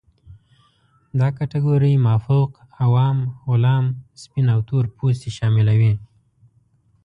دا کټګورۍ مافوق، عوام، غلام، سپین او تور پوستې شاملوي.